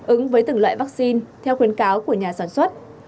ứng với từng loại vaccine theo khuyến cáo của nhà sản xuất